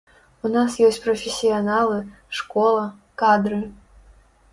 У нас ёсць прафесіяналы, школа, кадры.